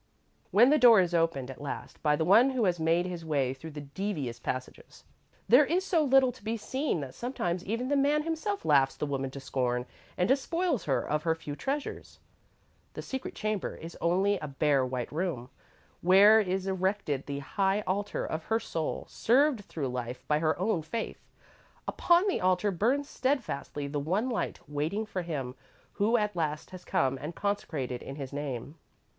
When the door is opened, at last, by the one who has made his way through the devious passages, there is so little to be seen that sometimes even the man himself laughs the woman to scorn and despoils her of her few treasures. The secret chamber is only a bare, white room, where is erected the high altar of her soul, served through life, by her own faith. Upon the altar burns steadfastly the one light, waiting for him who at last has come and consecrated in his name.